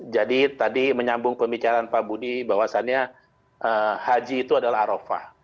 jadi tadi menyambung pembicaraan pak budi bahwasannya haji itu adalah arofa